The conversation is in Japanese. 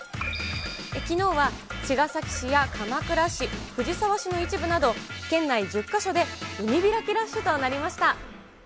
きのうは茅ヶ崎市や鎌倉市、藤沢市の一部など、県内１０か所で海開きラッシュとなりました。